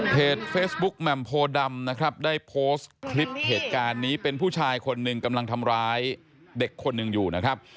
เฟซบุ๊กแหม่มโพดำนะครับได้โพสต์คลิปเหตุการณ์นี้เป็นผู้ชายคนหนึ่งกำลังทำร้ายเด็กคนหนึ่งอยู่นะครับ